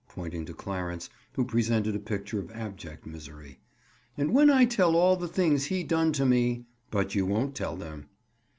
Pointing to Clarence who presented a picture of abject misery. "And when I tell all the things he done to me—" "But you won't tell them."